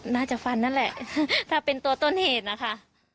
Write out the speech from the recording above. น่าจะฟันนั่นแหละถ้าเป็นตัวต้นเหตุนะคะ